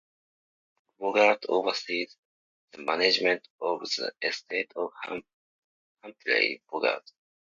Bogart oversees the management of the estate of Humphrey Bogart.